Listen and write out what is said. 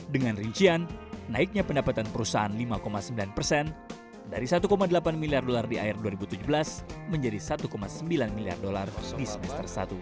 dengan rincian naiknya pendapatan perusahaan lima sembilan persen dari satu delapan miliar dolar di akhir dua ribu tujuh belas menjadi satu sembilan miliar dolar di semester satu